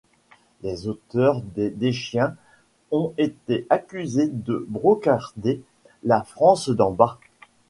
Les auteurs des Deschiens ont été accusés de brocarder la France d'en-bas.